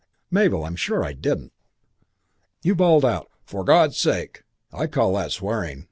"Mabel, I'm sure I didn't." "You bawled out, 'For God's sake.' I call that swearing.